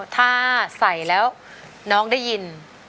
ถ้าใส่แล้วน้องได้ยิน